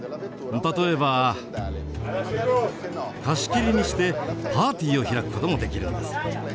例えば貸し切りにしてパーティーを開く事もできるんです。